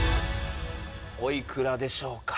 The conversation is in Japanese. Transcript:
おいくらでしょうか？